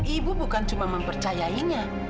ibu bukan cuma mempercayainya